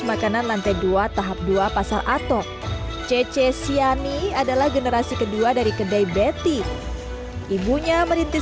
makanan lantai dua tahap dua pasar atok cece siani adalah generasi kedua dari kedai betty ibunya merintis